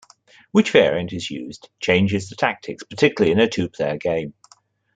Which variant is used changes the tactics, particularly in a two-player game.